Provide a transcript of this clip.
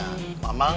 mbah bondi sih bang